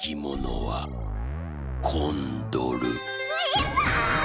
やった！